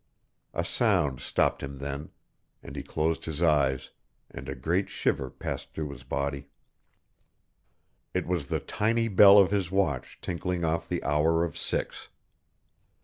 A sound stopped him then, and he closed his eyes, and a great shiver passed through his body. It was the tiny bell of his watch tinkling off the hour of six!